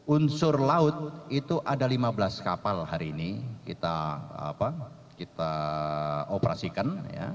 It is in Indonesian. unsur laut itu ada lima belas kapal hari ini kita operasikan